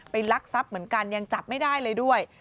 ลักทรัพย์เหมือนกันยังจับไม่ได้เลยด้วย